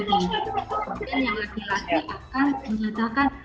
kemudian yang laki laki akan menyatakan